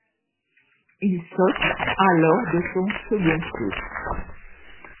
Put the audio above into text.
Il saute à lors de son second saut.